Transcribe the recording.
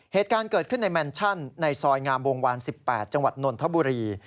เหตุการณ์เกิดขึ้นในแมนชั่นในซอยงามวงวาน๑๘จังหวัดนนทบุรี